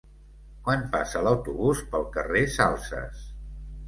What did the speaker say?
Quan passa l'autobús pel carrer Salses?